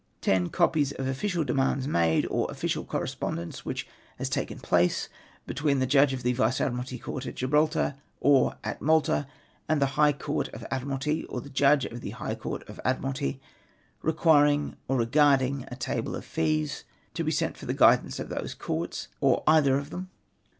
10. Copies of Official Demands made, or Official Correspondence which has taken place, between the Judge of the Vice Admiralty Court at Gribraltar, or at JMalta, and the High Court of Admiralty, or the Judge of the High Court of Admiralty, requiring or regarding a Table of Fees to be sent for the guidance of those Courts, or either of them.